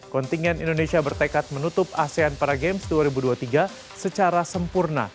kontingen indonesia bertekad menutup asean para games dua ribu dua puluh tiga secara sempurna